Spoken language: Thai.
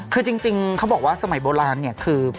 คือจริงเขาบอกว่าสมัยโบราณเนี่ยคือ